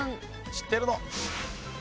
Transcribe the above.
知ってるの！